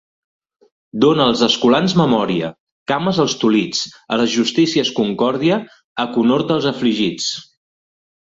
Dona als escolans memòria, cames als tolits; a les justícies concòrdia, aconhorta els afligits.